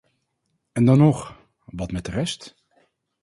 En dan nog, wat met de rest?